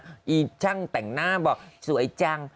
แล้วห่วงช่างแต่งหน้าบอกสวยจัง